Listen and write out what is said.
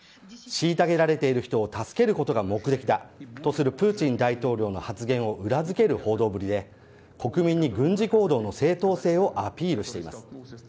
虐げられている人を助けることが目的だとするプーチン大統領の発言を裏付ける報道ぶりで国民に軍事行動の正当性をアピールしています。